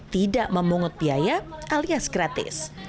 tidak memungut biaya alias gratis